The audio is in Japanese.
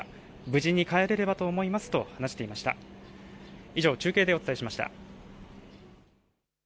無事に帰れればと思いますと話していました。